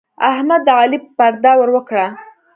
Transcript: احمد د علي پرده ور وکړه.